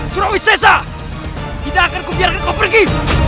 surowic sessa tidak akan kubiarkan kau pergi